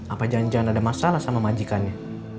apa jangan jangan ada masalah sama majikannya